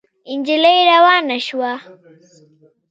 نجلۍ روانه شوه.